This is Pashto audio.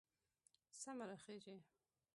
سمه راخېژي